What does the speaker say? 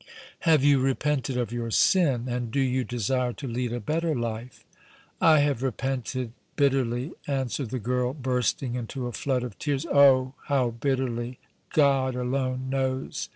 "Have you repented of your sin and do you desire to lead a better life?" "I have repented bitterly," answered the girl, bursting into a flood of tears, "oh! how bitterly God alone knows!